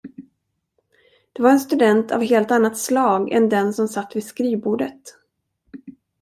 Det var en student av helt annat slag än den, som satt vid skrivbordet.